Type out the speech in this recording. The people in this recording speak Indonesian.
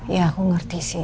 ya aku ngerti sih